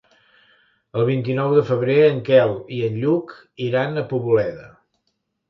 El vint-i-nou de febrer en Quel i en Lluc iran a Poboleda.